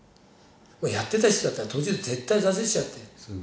やってた人だったら途中で絶対挫折しちゃうって。